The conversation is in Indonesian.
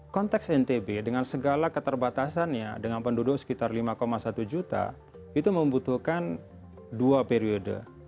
konteks ntb dengan segala keterbatasannya dengan penduduk sekitar lima satu juta itu membutuhkan dua periode